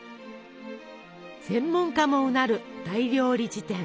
専門家もうなる「大料理事典」。